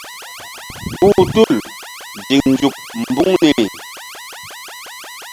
Kpuh tul ziŋ nzuk mbuŋ niri.